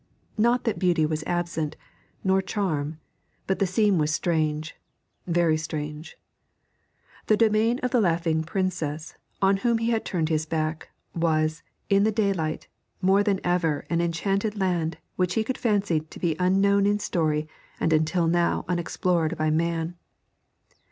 Not that beauty was absent, nor charm, but the scene was strange, very strange; the domain of the laughing princess, on whom he had turned his back, was, in the daylight, more than ever an enchanted land which he could fancy to be unknown in story and until now unexplored by man.